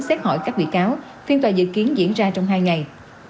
xét hỏi các bị cáo phiên tòa dự kiến diễn ra trong hai ngày